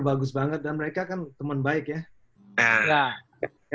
bagus banget dan mereka kan teman baik ya